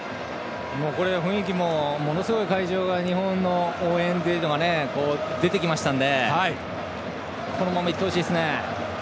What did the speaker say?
これは雰囲気も、すごい会場、日本の応援というのが出てきましたのでこのままいってほしいですね。